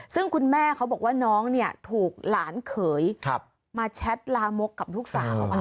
ซึ่งคุณแม่เขาบอกว่าน้องเนี่ยถูกหลานเขยมาแชทลามกกับลูกสาว